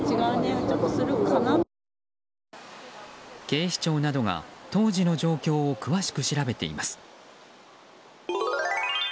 警視庁などが当時の状況を詳しく調べています。